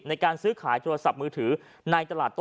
ในรถคันนึงเขาพุกอยู่ประมาณกี่โมงครับ๔๕นัท